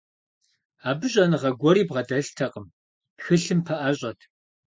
Абы щӀэныгъэ гуэри бгъэдэлътэкъыми, тхылъым пэӀэщӀэт.